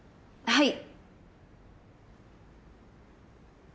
はい！